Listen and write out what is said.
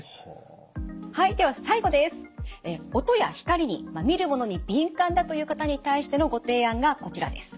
音や光に見るものに敏感だという方に対してのご提案がこちらです。